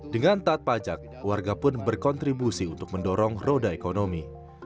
dengan taat pajak warga pun berkontribusi untuk mendorong roda ekonomi